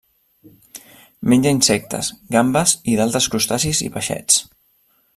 Menja insectes, gambes i d'altres crustacis, i peixets.